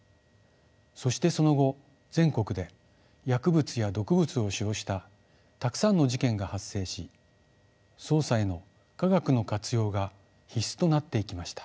そしてその後全国で薬物や毒物を使用したたくさんの事件が発生し捜査への科学の活用が必須となっていきました。